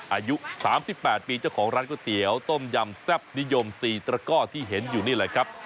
อายุ๓๘ปีเจ้าของร้านก๋วยเตี๋ยวต้มยำแซ่บนิยม๔ตระก้อที่เห็นอยู่นี่แหละครับ